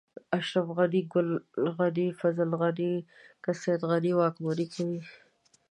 اشرف غني، ګل غني، فضل غني، که سيد غني واکمن کوي.